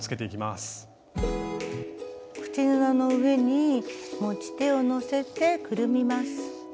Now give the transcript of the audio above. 口布の上に持ち手をのせてくるみます。